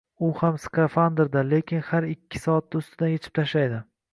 U ham skafandrda, lekin har ikki soatda ustidan echib tashlaydi